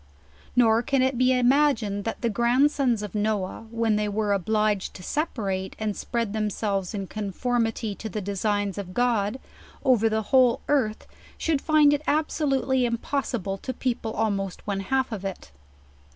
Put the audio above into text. Nor can it be imagined that the grandsons of Noah, when they were obliged to separate, and spread them selves in conformity to the designs of God, over the whole earth, should find it absolutely impossible to people almost one half of it.